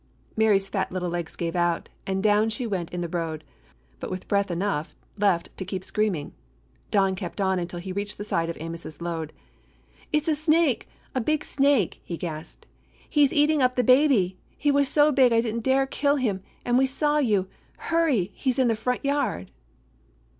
Mary's fat little legs gave out, and down 246 A DOG OF THE EASTERN STATES she went in the road, but with breath enough left to keep screaming. Don kept on until he reached the side of Amos's load. "It's a snake; a big snake!" he gasped. "He 's eating up the baby. He was so big I did n't dare kill him, and we saw you. Hurry! He's in the front yard."